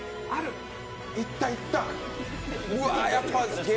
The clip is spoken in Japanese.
いったいった！